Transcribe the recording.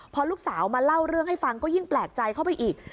พอลูกสาวมาเล่าเรื่องให้ฟังก็ยิ่งแปลกใจเข้าไปอีก